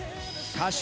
歌手。